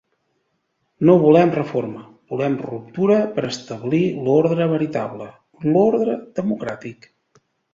No volem reforma, volem ruptura per establir l’ordre veritable, l’ordre democràtic!